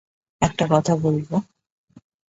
একটা কথা বলবো?